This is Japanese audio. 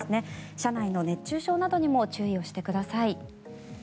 車内の熱中症などにも注意をしてください。